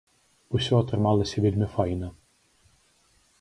Усё атрымалася вельмі файна!